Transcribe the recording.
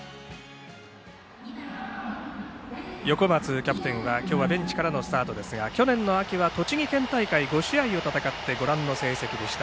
横松キャプテン、今日はベンチからのスタートですが去年の秋は栃木県大会５試合を戦ってご覧の成績でした。